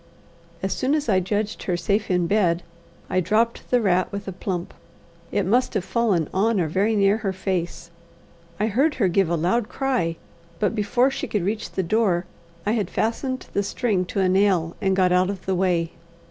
As soon as I judged her safe in bed, I dropped the rat with a plump. It must have fallen on or very near her face. I heard her give a loud cry, but before she could reach the door, I had fastened the string to a nail and got out of the way.